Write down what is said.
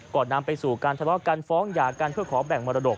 นำไปสู่การทะเลาะกันฟ้องหย่ากันเพื่อขอแบ่งมรดก